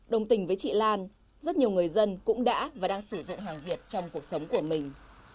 đồng tình với chị lan rất nhiều người dân cũng đã và đang sử dụng hàng việt trong cuộc sống của mình